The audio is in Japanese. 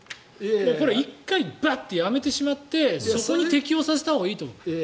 これは１回バッとやめてしまってそこに適応させたほうがいいと思う。